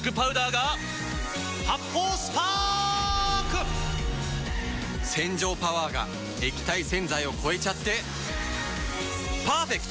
発泡スパーク‼洗浄パワーが液体洗剤を超えちゃってパーフェクト！